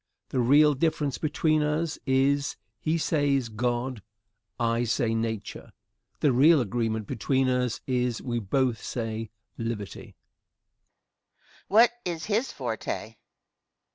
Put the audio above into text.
The real difference between us is he says God, I say Nature. The real agreement between us is we both say Liberty.